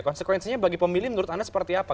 konsekuensinya bagi pemilih menurut anda seperti apa